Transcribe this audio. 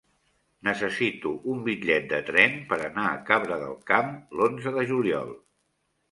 Necessito un bitllet de tren per anar a Cabra del Camp l'onze de juliol.